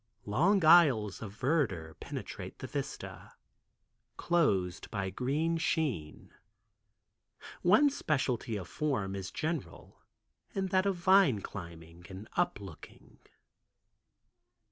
Long aisles of verdure penetrate the vista, closed by green sheen. One specialty of form is general, that of vine climbing and up looking.